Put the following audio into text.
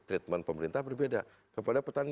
treatment pemerintah berbeda kepada petani